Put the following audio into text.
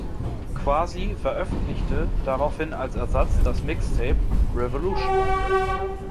Quasi veröffentlichte daraufhin als Ersatz das Mixtape "Revolution".